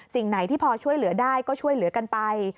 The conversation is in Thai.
สิ่งไหนที่พอช่วยเหลือได้ก็ช่วยเหลือกันไป